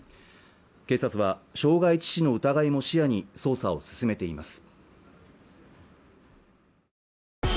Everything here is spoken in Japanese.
警察は傷害致死の疑いも視野に捜査を進めています